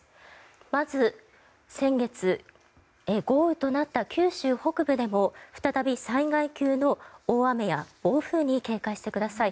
まず、先月豪雨となった九州北部でも再び災害級の大雨や暴風に警戒してください。